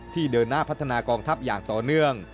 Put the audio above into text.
เดินหน้าพัฒนากองทัพอย่างต่อเนื่อง